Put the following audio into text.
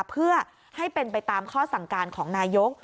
เพื่อให้เป็นไปตามข้อสั่งการของนายก